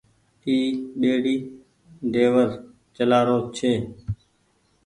اي ٻيڙي ڊيور چلآ رو ڇي۔